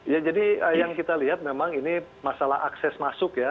ya jadi yang kita lihat memang ini masalah akses masuk ya